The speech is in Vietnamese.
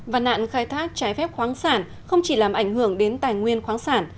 và nạn khai thác trái phép khoáng sản không chỉ làm ảnh hưởng đến tài nguyên khoáng sản